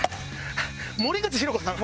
森口博子さん。